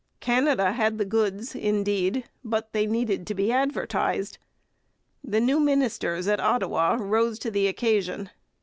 Canada had the goods, indeed, but they needed to be advertised. The new ministers at Ottawa rose to the occasion.